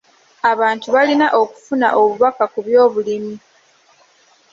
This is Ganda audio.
Abantu balina okufuna obubaka ku by'obulimi.